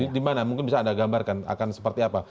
di mana mungkin bisa anda gambarkan akan seperti apa